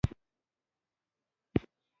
په خوښۍ او لیوالتیا سره خبرې وکړئ.